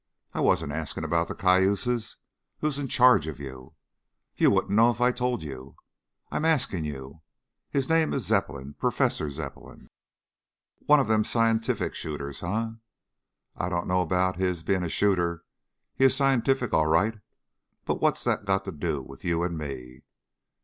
"I wasn't asking about the cayuses. Who is in charge of you?" "You wouldn't know if I told you." "I'm asking you!" "His name is Zepplin, Professor Zepplin." "One of them scientific shooters, eh?" "I don't know about his being a shooter. He is scientific, all right. But what's that got to do with you and me?"